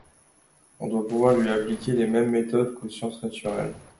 On doit pouvoir lui appliquer les mêmes méthodes qu'aux sciences naturelles.